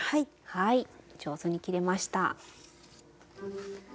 はい上手に切れました。